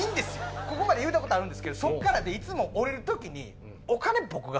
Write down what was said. ここまで言うたことあるんですけどそっからでいつも降りる時に。